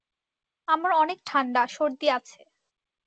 আমার অনেক ঠান্ডা, সর্দি আছে।